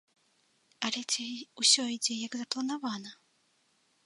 Але ці ўсё ідзе, як запланавана?